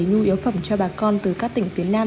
nhu yếu phẩm cho bà con từ các tỉnh phía nam